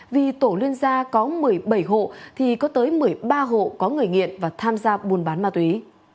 vì tổ liên gia có một mươi bảy hộ thì có tới một mươi ba hộ có người nghiện và tham gia buôn bán ma túy